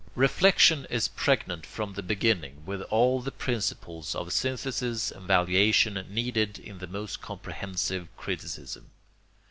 Reflection is pregnant from the beginning with all the principles of synthesis and valuation needed in the most comprehensive criticism.